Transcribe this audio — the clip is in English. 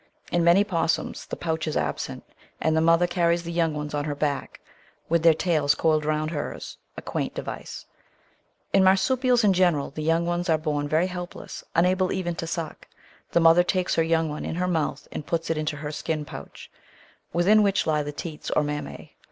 In many opossums the pouch is absent, and the mother carries the young ones on her back, with their tails coiled round hers — a quaint device. In marsupials in gen eral, the young ones are bom very helpless, unable even to suck. The mother takes her young one in her mouth, and puts it into her skin pouch, within which lie the teats or mammae.